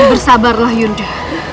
berhenti lho yunda